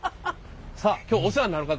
さあ今日お世話になる方。